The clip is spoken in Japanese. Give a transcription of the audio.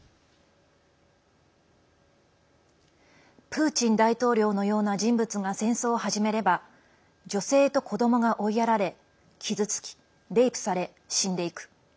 プーチン大統領のような人物が戦争を始めれば女性と子どもが追いやられ傷つき、レイプされ、死んでいく。